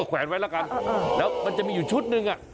แวนไว้แล้วกันแล้วมันจะมีอยู่ชุดหนึ่ง